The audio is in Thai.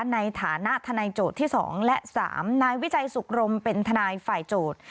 ในฐานะทนายโจทย์ที่๒และ๓นายวิจัยสุขรมเป็นทนายฝ่ายโจทย์